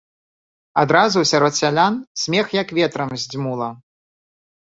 Адразу сярод сялян смех як ветрам здзьмула.